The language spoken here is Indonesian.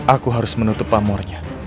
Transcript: aku harus menutup amornya